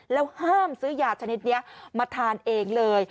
แล้วห้ามซื้อยาชนิดนี้มาทานเองเลย